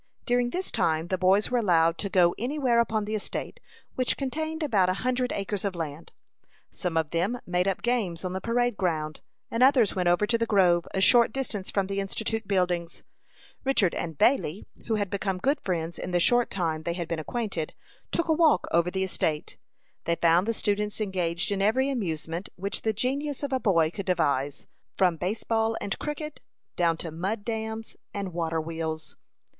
During this time the boys were allowed to go any where upon the estate, which contained about a hundred acres of land. Some of them made up games on the parade ground, and others went over to the grove, a short distance from the Institute buildings. Richard and Bailey, who had become good friends in the short time they had been acquainted, took a walk over the estate. They found the students engaged in every amusement which the genius of a boy could devise, from base ball and cricket down to mud dams and water wheels.